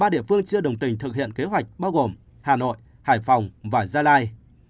ba địa phương chưa đồng tình thực hiện kế hoạch bao gồm hà nội hải phòng và gia lai